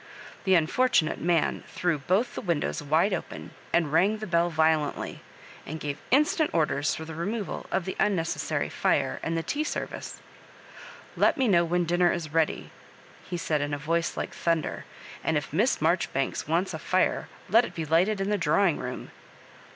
The unfortunate man threw both the windows wide open and rang the bell violently, and gave instant orders for the removal of the unnecessary fire and the tea service. " Let me know wh«i dinner is ready," he said in a voice like thunder, "and if Miss Marjoribanks wants a fire, let it be lighted in the drawing room."